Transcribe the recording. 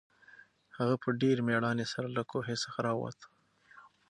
هغه په ډېرې مېړانې سره له کوهي څخه راووت.